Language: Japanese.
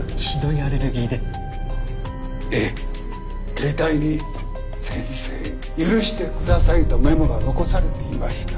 携帯に「先生許してください」とメモが残されていました。